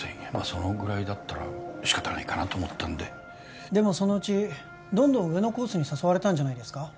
そのぐらいだったら仕方ないかなと思ったんででもそのうちどんどん上のコースに誘われたんじゃないですか？